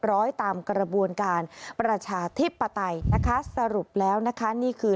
ตามกระบวนการประชาธิปไตยนะคะสรุปแล้วนะคะนี่คือ